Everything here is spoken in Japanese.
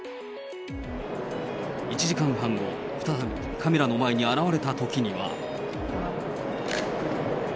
１時間半後、再びカメラの前に現れたときには。